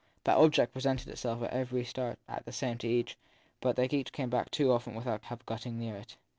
That object presented itself at every start as the same to each, but they had come back too often without having got near it.